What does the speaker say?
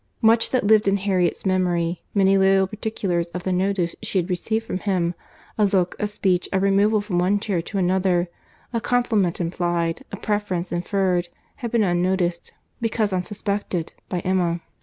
—Much that lived in Harriet's memory, many little particulars of the notice she had received from him, a look, a speech, a removal from one chair to another, a compliment implied, a preference inferred, had been unnoticed, because unsuspected, by Emma.